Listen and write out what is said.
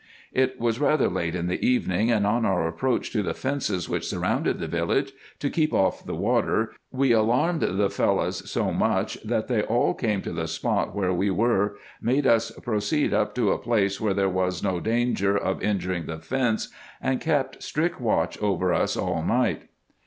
It was rather late in the evening ; and on our approach to the fences which surrounded the village to, keep off the water, we alarmed the Fellahs so much, that they all came to the spot where we were, made us proceed up to a place where there was no danger IN EGYPT, NUBIA, Stc 303 of injuring the fence, and kept strict watch over us all night.